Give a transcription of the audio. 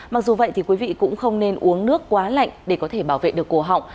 mặc dù vậy thì quý vị cũng không nên uống nước quá lạnh để có thể bảo vệ được cổ họng